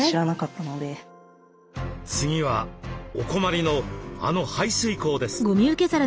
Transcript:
次はお困りのあの排水口です。